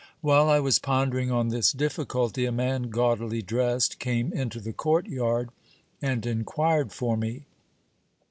While I was pondering on this difficulty, a man gaudily dressed came into the court yard and inquired for me.